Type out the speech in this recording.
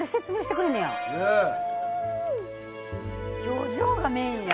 表情がメインや。